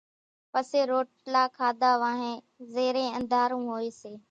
پسي روٽلا کاڌا وانھين زيرين انڌارو ھوئي سي